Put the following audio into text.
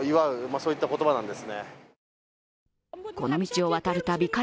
そういった言葉なんです。